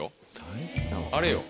あれよ